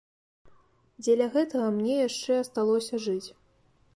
Дзеля гэтага мне яшчэ асталося жыць.